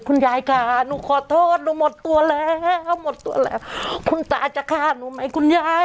คุณยายค่ะหนูขอโทษหนูหมดตัวแล้วหมดตัวแล้วคุณตาจะฆ่าหนูไหมคุณยาย